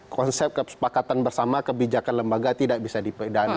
konsep kesepakatan bersama kebijakan lembaga tidak bisa dipidana